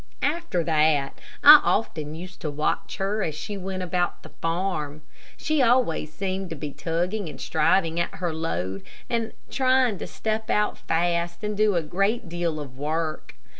After that I often used to watch her as she went about the farm. She always seemed to be tugging and striving at her load, and trying to step out fast and do a great deal of work.